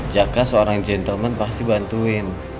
jaka seorang gentleman pasti bantuin